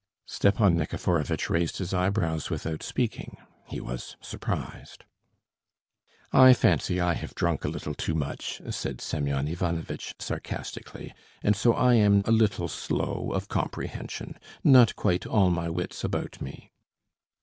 Stepan Nikiforovitch raised his eyebrows without speaking; he was surprised. "I fancy I have drunk a little too much," said Semyon Ivanovitch sarcastically, "and so I am a little slow of comprehension. Not quite all my wits about me."